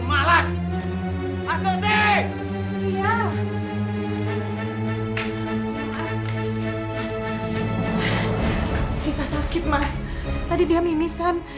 kamu harustown siasat dan jahat dengan anggar